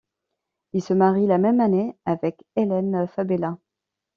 Il se marie la même année avec Helen Fabela.